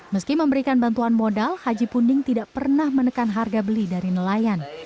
meski memberikan bantuan modal haji punding tidak pernah menekan harga beli dari nelayan